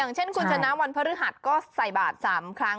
อย่างเช่นกุญจนาทีวันพฤะษดินก็ใส่บาตร๓ครั้ง